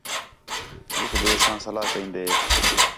ہِک ٻئیں ساں صلاح کنیدے